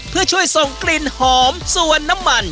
เพื่อช่วยส่งกลิ่นหอมส่วนน้ำมัน